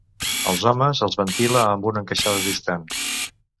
Als homes els ventila amb una encaixada distant.